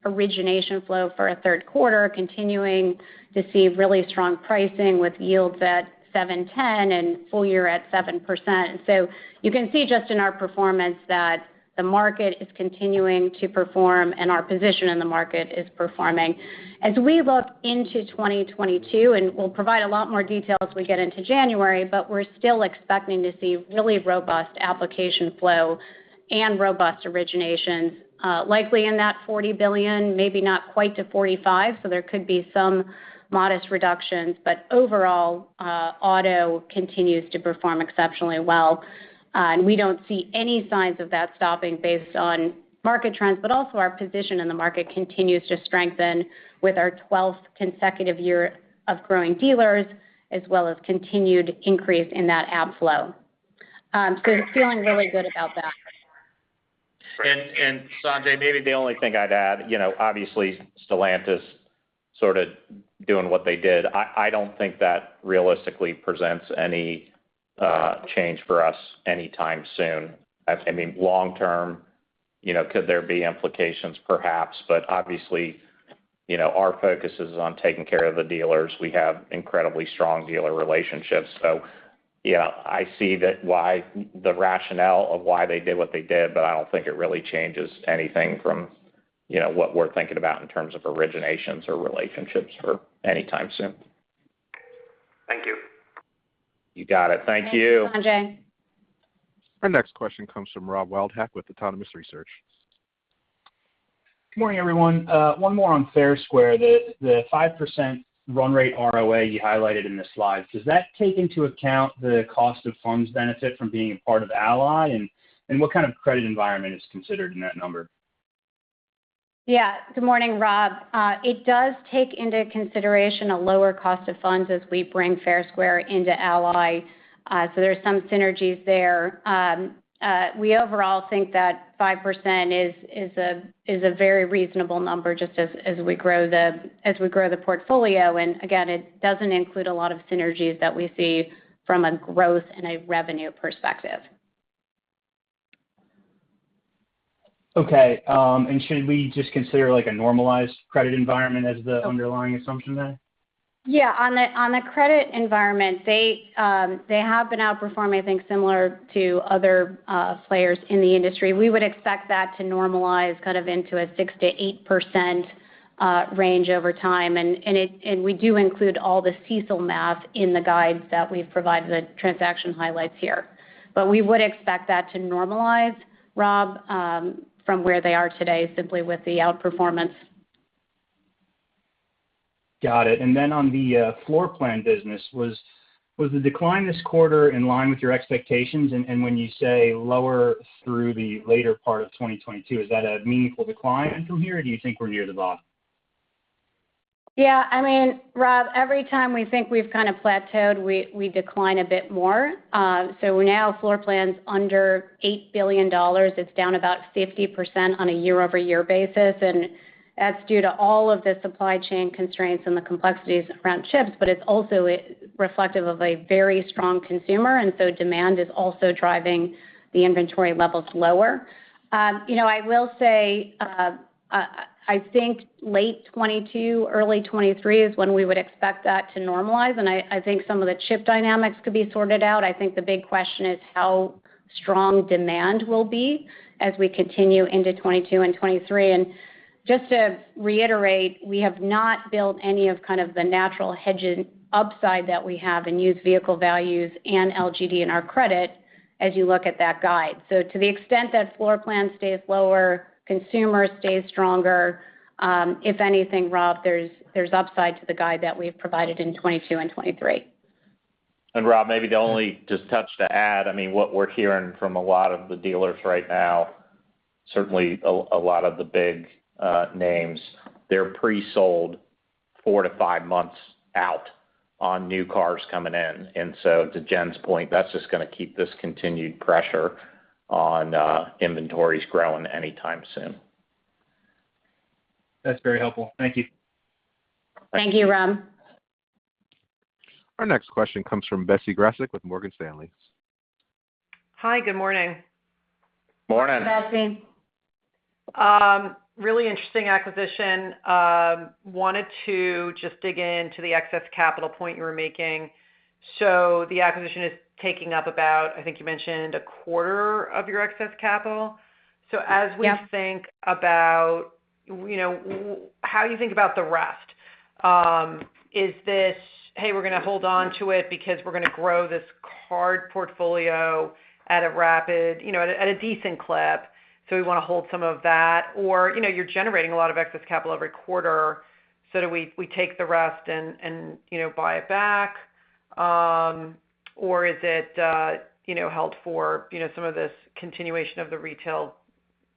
origination flow for a third quarter, continuing to see really strong pricing with yields at 7.10% and full year at 7%. You can see just in our performance that the market is continuing to perform and our position in the market is performing. As we look into 2022, we'll provide a lot more detail as we get into January, we're still expecting to see really robust application flow and robust originations likely in that $40 billion, maybe not quite to $45. There could be some modest reductions. Overall, auto continues to perform exceptionally well. We don't see any signs of that stopping based on market trends. Also our position in the market continues to strengthen with our 12th consecutive year of growing dealers, as well as continued increase in that app flow. Feeling really good about that. Great. Sanjay, maybe the only thing I'd add, obviously Stellantis sort of doing what they did, I don't think that realistically presents any change for us anytime soon. Long term, could there be implications perhaps, obviously, our focus is on taking care of the dealers. We have incredibly strong dealer relationships. Yeah, I see the rationale of why they did what they did, but I don't think it really changes anything from what we're thinking about in terms of originations or relationships for any time soon. Thank you. You got it. Thank you. Thanks, Sanjay. Our next question comes from Robert Wildhack with Autonomous Research. Good morning, everyone. One more on Fair Square. Hey, Rob. The 5% run rate ROA you highlighted in the slides, does that take into account the cost of funds benefit from being a part of Ally? What kind of credit environment is considered in that number? Yeah. Good morning, Rob. It does take into consideration a lower cost of funds as we bring Fair Square into Ally. There's some synergies there. We overall think that 5% is a very reasonable number just as we grow the portfolio, and again, it doesn't include a lot of synergies that we see from a growth and a revenue perspective. Okay. Should we just consider a normalized credit environment as the underlying assumption then? Yeah. On the credit environment, they have been outperforming, I think, similar to other players in the industry. We would expect that to normalize kind of into a 6%-8% range over time. We do include all the CECL math in the guides that we've provided the transaction highlights here. We would expect that to normalize, Rob, from where they are today simply with the outperformance. Got it. On the floorplan business, was the decline this quarter in line with your expectations? When you say lower through the later part of 2022, is that a meaningful decline from here, or do you think we're near the bottom? Yeah, Rob, every time we think we've kind of plateaued, we decline a bit more. Now floorplan's under $8 billion. It's down about 50% on a year-over-year basis, and that's due to all of the supply chain constraints and the complexities around chips, but it's also reflective of a very strong consumer. Demand is also driving the inventory levels lower. I will say, I think late 2022, early 2023 is when we would expect that to normalize, and I think some of the chip dynamics could be sorted out. I think the big question is how strong demand will be as we continue into 2022 and 2023. Just to reiterate, we have not built any of the natural hedge upside that we have in used vehicle values and LGD in our credit, as you look at that guide. To the extent that floorplan stays lower, consumer stays stronger. If anything, Rob, there's upside to the guide that we've provided in 2022 and 2023. Rob, maybe the only just touch to add, what we're hearing from a lot of the dealers right now, certainly a lot of the big names, they're pre-sold four to five months out on new cars coming in. To Jenn's point, that's just going to keep this continued pressure on inventories growing anytime soon. That's very helpful. Thank you. Thank you, Rob. Our next question comes from Betsy Graseck with Morgan Stanley. Hi, good morning. Morning. Morning, Betsy. Really interesting acquisition. I wanted to just dig into the excess capital point you were making. The acquisition is taking up about, I think you mentioned, a quarter of your excess capital. Yeah. How do you think about the rest? Is this, we're going to hold onto it because we're going to grow this card portfolio at a decent clip, so we want to hold some of that? You're generating a lot of excess capital every quarter, so do we take the rest and buy it back? Is it held for some of this continuation of the retail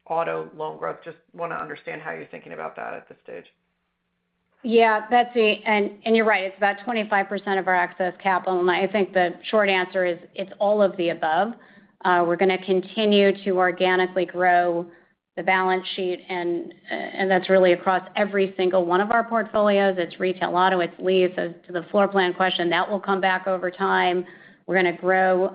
auto loan growth? Just want to understand how you're thinking about that at this stage. Yeah, Betsy, you're right. It's about 25% of our excess capital, and I think the short answer is it's all of the above. We're going to continue to organically grow the balance sheet, and that's really across every single one of our portfolios. It's retail auto, it's lease. As to the floorplan question, that will come back over time. We're going to grow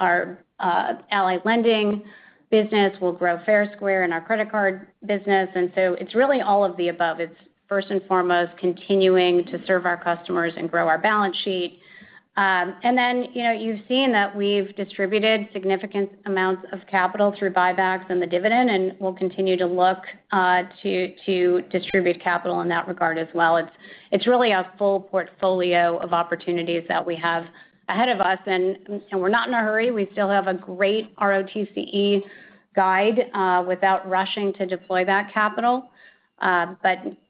our Ally Lending business. We'll grow Fair Square and our credit card business. It's really all of the above. It's first and foremost continuing to serve our customers and grow our balance sheet. You've seen that we've distributed significant amounts of capital through buybacks and the dividend, and we'll continue to look to distribute capital in that regard as well. It's really a full portfolio of opportunities that we have ahead of us, and we're not in a hurry. We still have a great ROTCE guide without rushing to deploy that capital.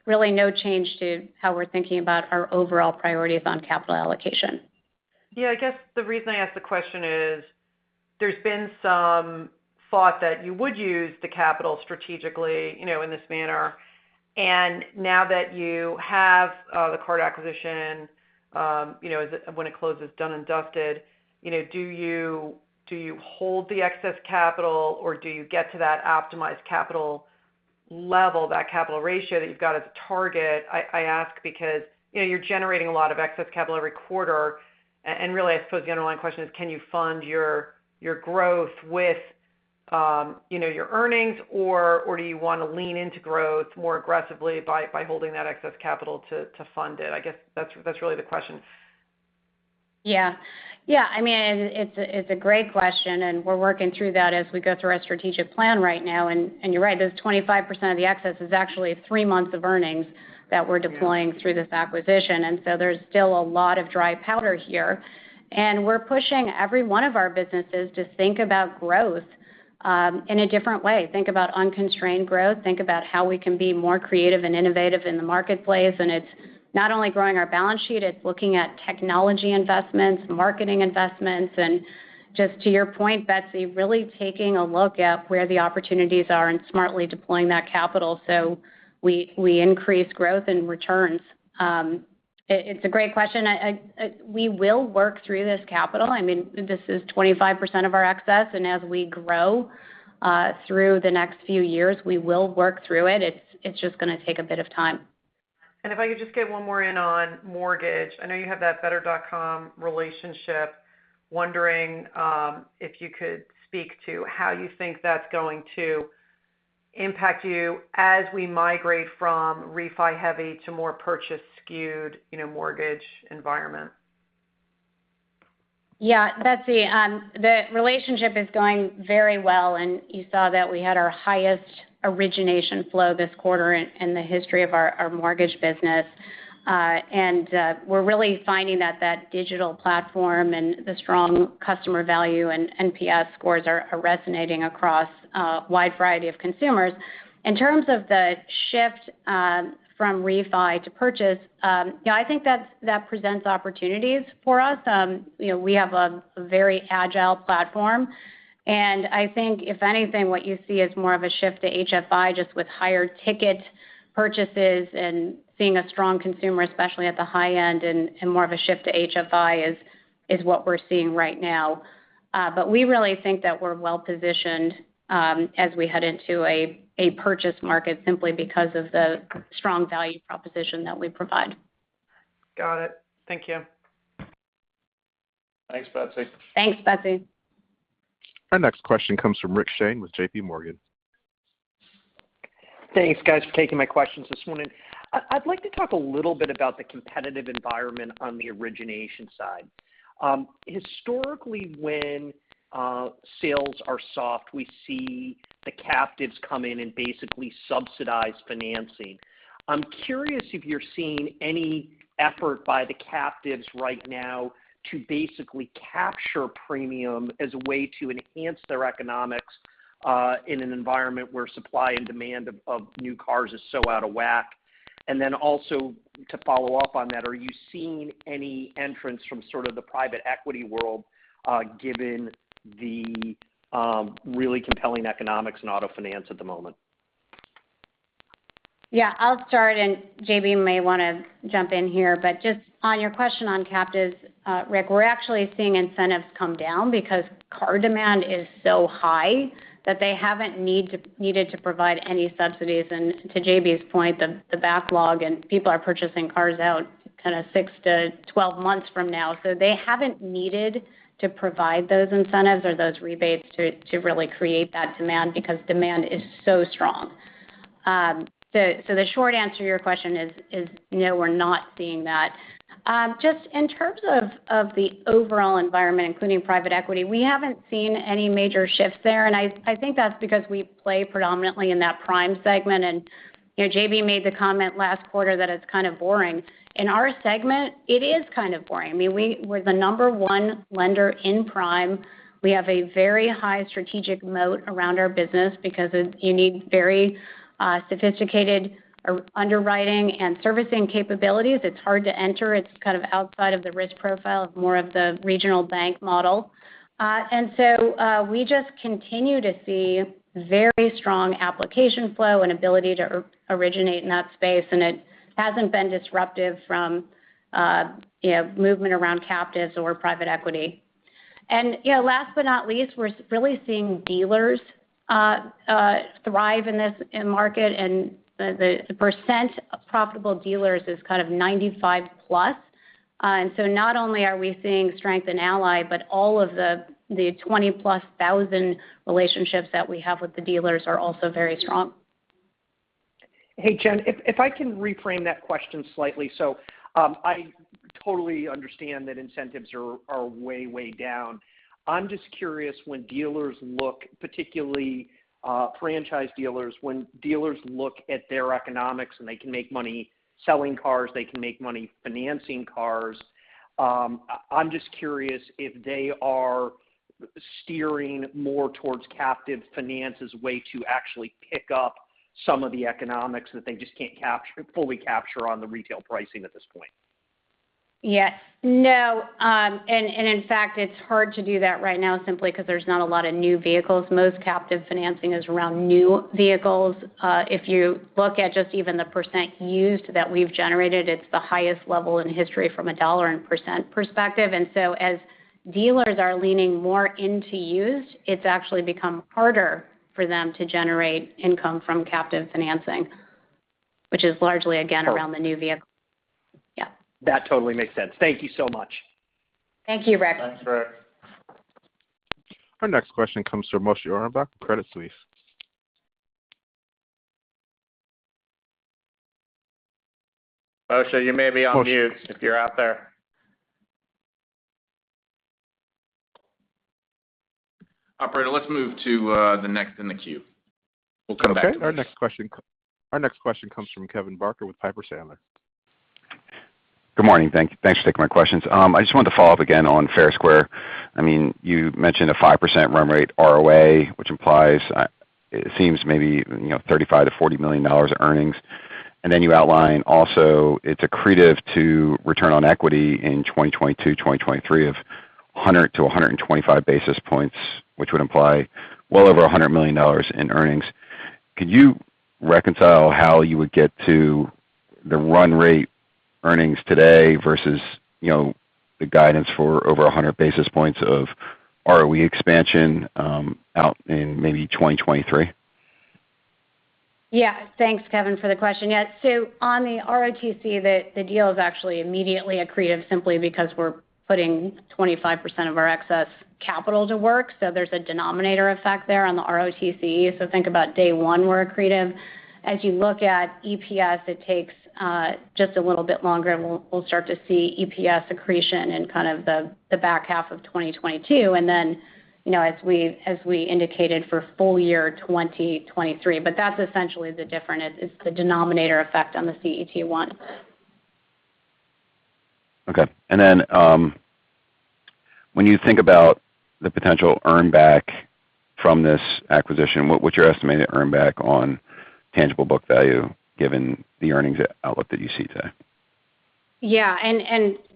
Really no change to how we're thinking about our overall priorities on capital allocation. Yeah, I guess the reason I ask the question is there's been some thought that you would use the capital strategically in this manner. Now that you have the card acquisition, when it closes, done and dusted, do you hold the excess capital or do you get to that optimized capital level, that capital ratio that you've got as a target? I ask because you're generating a lot of excess capital every quarter, and really, I suppose the underlying question is, can you fund your growth with your earnings, or do you want to lean into growth more aggressively by holding that excess capital to fund it? I guess that's really the question. Yeah. It's a great question. We're working through that as we go through our strategic plan right now. You're right, this 25% of the excess is actually three months of earnings that we're deploying through this acquisition. There's still a lot of dry powder here. We're pushing every one of our businesses to think about growth in a different way. Think about unconstrained growth. Think about how we can be more creative and innovative in the marketplace. It's not only growing our balance sheet, it's looking at technology investments, marketing investments, and just to your point, Betsy, really taking a look at where the opportunities are and smartly deploying that capital so we increase growth and returns. It's a great question. We will work through this capital. This is 25% of our excess, and as we grow through the next few years, we will work through it. It's just going to take a bit of time. If I could just get one more in on mortgage. I know you have that Better.com relationship. Wondering if you could speak to how you think that's going to impact you as we migrate from refi heavy to more purchase skewed mortgage environment? Yeah. Betsy, the relationship is going very well. You saw that we had our highest origination flow this quarter in the history of our mortgage business. We're really finding that that digital platform and the strong customer value and NPS scores are resonating across a wide variety of consumers. In terms of the shift from refi to purchase, I think that presents opportunities for us. We have a very agile platform. I think if anything, what you see is more of a shift to HFI just with higher ticket purchases and seeing a strong consumer, especially at the high end. More of a shift to HFI is what we're seeing right now. We really think that we're well-positioned as we head into a purchase market simply because of the strong value proposition that we provide. Got it. Thank you. Thanks, Betsy. Thanks, Betsy. Our next question comes from Rick Shane with JPMorgan. Thanks, guys, for taking my questions this morning. I'd like to talk a little bit about the competitive environment on the origination side. Historically, when sales are soft, we see the captives come in and basically subsidize financing. I'm curious if you're seeing any effort by the captives right now to basically capture premium as a way to enhance their economics, in an environment where supply and demand of new cars is so out of whack. Also to follow up on that, are you seeing any entrants from sort of the private equity world, given the really compelling economics in auto finance at the moment? Yeah, I'll start, and JB may want to jump in here, but just on your question on captives, Rick, we're actually seeing incentives come down because car demand is so high that they haven't needed to provide any subsidies. To JB's point, the backlog and people are purchasing cars out kind of 6-12 months from now. They haven't needed to provide those incentives or those rebates to really create that demand because demand is so strong. The short answer to your question is no, we're not seeing that. Just in terms of the overall environment, including private equity, we haven't seen any major shifts there, and I think that's because we play predominantly in that Prime segment. JB made the comment last quarter that it's kind of boring. In our segment, it is kind of boring. We're the number one lender in Prime. We have a very high strategic moat around our business because you need very sophisticated underwriting and servicing capabilities. It's hard to enter. It's kind of outside of the risk profile of more of the regional bank model. We just continue to see very strong application flow and ability to originate in that space, and it hasn't been disruptive from movement around captives or private equity. Last but not least, we're really seeing dealers thrive in this market and the percent of profitable dealers is kind of 95%+. Not only are we seeing strength in Ally, but all of the 20,000+ relationships that we have with the dealers are also very strong. Hey, Jenn, if I can reframe that question slightly. I totally understand that incentives are way down. I'm just curious when dealers look, particularly franchise dealers, at their economics and they can make money selling cars, they can make money financing cars. I'm just curious if they are steering more towards captive finance as a way to actually pick up some of the economics that they just can't fully capture on the retail pricing at this point. Yes. No. In fact, it's hard to do that right now simply because there's not a lot of new vehicles. Most captive financing is around new vehicles. If you look at just even the percent used that we've generated, it's the highest level in history from a dollar and percent perspective. As dealers are leaning more into used, it's actually become harder for them to generate income from captive financing, which is largely, again, around the new vehicle. Yeah. That totally makes sense. Thank you so much. Thank you, Rick. Thanks, Rick. Our next question comes from Moshe Orenbuch, Credit Suisse. Moshe, you may be on mute if you're out there. Operator, let's move to the next in the queue. We'll come back to Moshe. Okay. Our next question comes from Kevin Barker with Piper Sandler. Good morning. Thanks for taking my questions. I just wanted to follow up again on Fair Square. You mentioned a 5% run rate ROA, which implies it seems maybe $35 million-$40 million of earnings. Then you outline also it's accretive to return on equity in 2022, 2023 of 100-125 basis points, which would imply well over $100 million in earnings. Could you reconcile how you would get to the run rate earnings today versus the guidance for over 100 basis points of ROE expansion out in maybe 2023? Thanks, Kevin, for the question. On the ROTCE, the deal is actually immediately accretive simply because we're putting 25% of our excess capital to work. Think about day 1, we're accretive. As you look at EPS, it takes just a little bit longer, and we'll start to see EPS accretion in kind of the back half of 2022. As we indicated for full year 2023. That's essentially the difference is the denominator effect on the CET1. Okay. When you think about the potential earn back from this acquisition, what's your estimated earn back on tangible book value given the earnings outlook that you see today? Yeah.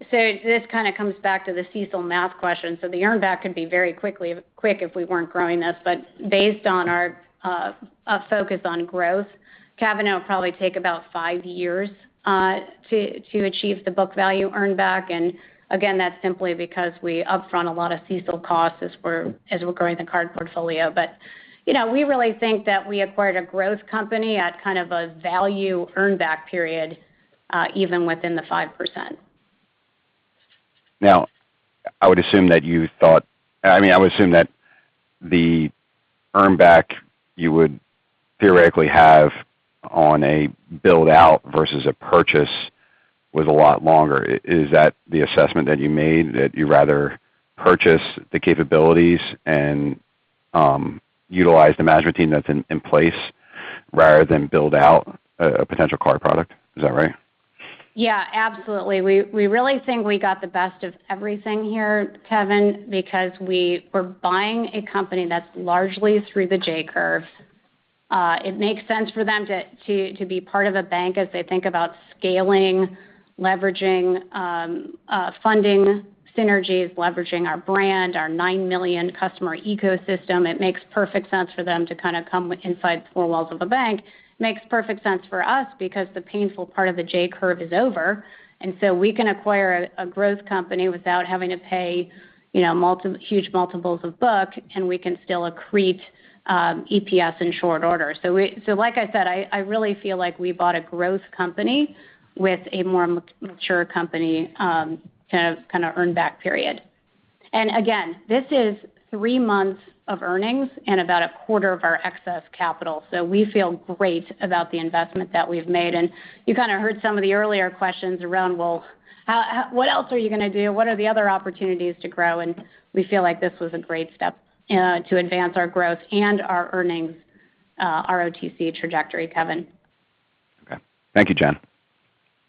This kind of comes back to the CECL math question. The earn back could be very quick if we weren't growing this, but based on our focus on growth, TBV will probably take about five years to achieve the book value earn back and again, that's simply because we upfront a lot of CECL costs as we're growing the card portfolio. We really think that we acquired a growth company at kind of a value earn back period, even within the 5%. I would assume that the earn back you would theoretically have on a build-out versus a purchase was a lot longer. Is that the assessment that you made that you'd rather purchase the capabilities and utilize the management team that's in place rather than build out a potential card product? Is that right? Yeah, absolutely. We really think we got the best of everything here, Kevin, because we're buying a company that's largely through the J-curve. It makes sense for them to be part of a bank as they think about scaling, leveraging funding synergies, leveraging our brand, our 9 million customer ecosystem. It makes perfect sense for them to kind of come inside the four walls of a bank. Makes perfect sense for us because the painful part of the J-curve is over, and so we can acquire a growth company without having to pay huge multiples of book, and we can still accrete EPS in short order. Like I said, I really feel like we bought a growth company with a more mature company kind of earn back period. Again, this is three months of earnings and about a quarter of our excess capital. We feel great about the investment that we've made. You kind of heard some of the earlier questions around, well, what else are you going to do? What are the other opportunities to grow? We feel like this was a great step to advance our growth and our earnings ROTCE trajectory, Kevin. Okay. Thank you, Jenn.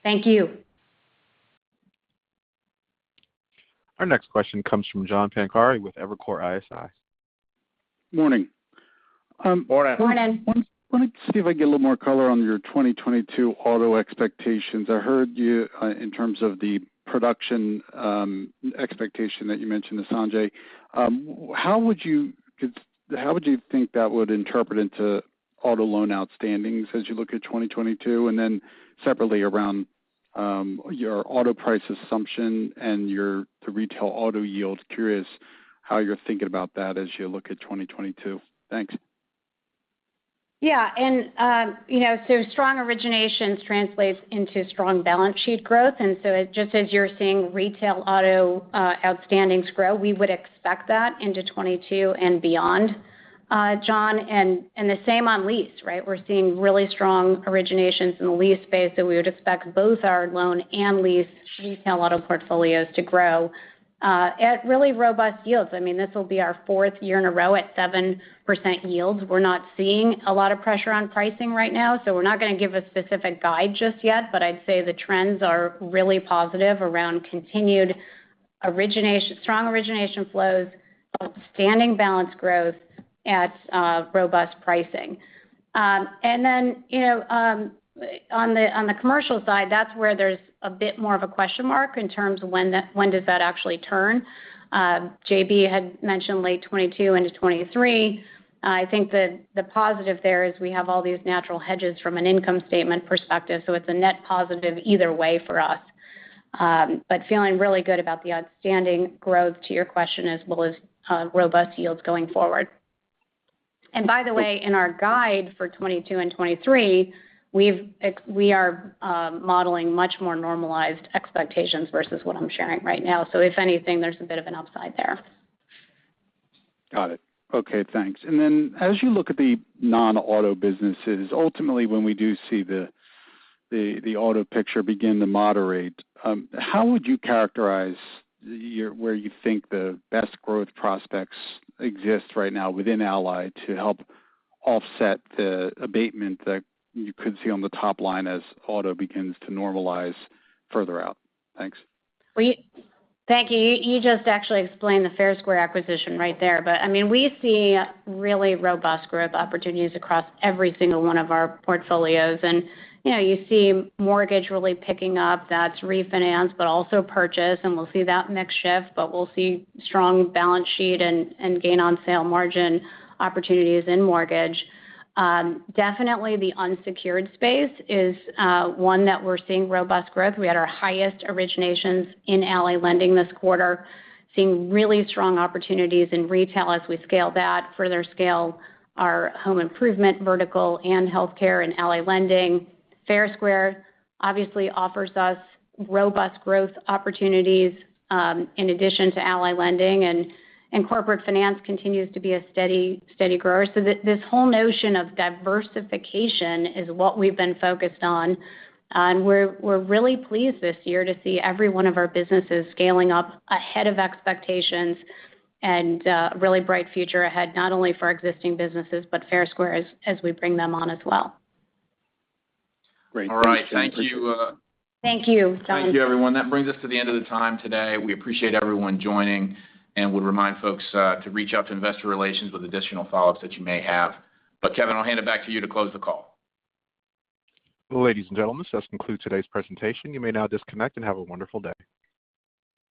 Thank you. Our next question comes from John Pancari with Evercore ISI. Morning. Morning. Morning. wanted to see if I can get a little more color on your 2022 auto expectations? I heard you in terms of the production expectation that you mentioned to Sanjay. How would you think that would interpret into auto loan outstandings as you look at 2022, separately around your auto price assumption and the retail auto yield? Curious how you're thinking about that as you look at 2022. Thanks. Strong originations translates into strong balance sheet growth, and just as you're seeing retail auto outstandings grow, we would expect that into 2022 and beyond, John, and the same on lease, right? We're seeing really strong originations in the lease space, we would expect both our loan and lease retail auto portfolios to grow at really robust yields. This will be our fourth year in a row at 7% yields. We're not seeing a lot of pressure on pricing right now, we're not going to give a specific guide just yet. I'd say the trends are really positive around continued strong origination flows, outstanding balance growth at robust pricing. On the commercial side, that's where there's a bit more of a question mark in terms of when does that actually turn? JB had mentioned late 2022 into 2023. I think that the positive there is we have all these natural hedges from an income statement perspective, so it's a net positive either way for us. Feeling really good about the outstanding growth to your question as well as robust yields going forward. By the way, in our guide for 2022 and 2023, we are modeling much more normalized expectations versus what I'm sharing right now. If anything, there's a bit of an upside there. Got it. Okay, thanks. As you look at the non-auto businesses, ultimately when we do see the auto picture begin to moderate, how would you characterize where you think the best growth prospects exist right now within Ally to help offset the abatement that you could see on the top line as auto begins to normalize further out? Thanks. Well, thank you. You just actually explained the Fair Square acquisition right there. We see really robust growth opportunities across every single one of our portfolios. You see mortgage really picking up. That's refinance, but also purchase, and we'll see that mix shift, but we'll see strong balance sheet and gain on sale margin opportunities in mortgage. Definitely the unsecured space is one that we're seeing robust growth. We had our highest originations in Ally Lending this quarter, seeing really strong opportunities in retail as we scale that, further scale our home improvement vertical and healthcare and Ally Lending. Fair Square obviously offers us robust growth opportunities in addition to Ally Lending, and corporate finance continues to be a steady grower. This whole notion of diversification is what we've been focused on. We're really pleased this year to see every one of our businesses scaling up ahead of expectations and a really bright future ahead, not only for our existing businesses, but Fair Square as we bring them on as well. Great. Thanks. All right. Thank you. Thank you, John. Thank you, everyone. That brings us to the end of the time today. We appreciate everyone joining and would remind folks to reach out to investor relations with additional follow-ups that you may have. Kevin, I'll hand it back to you to close the call. Ladies and gentlemen, this concludes today's presentation. You may now disconnect, and have a wonderful day.